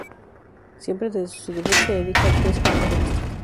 Siempre desde su debut se dedica a actriz característica.